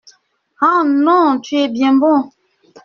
Ah ! non ! tu es bien bon !…